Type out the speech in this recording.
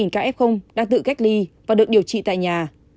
một ca f đã tự cách ly và được điều trị tại nhà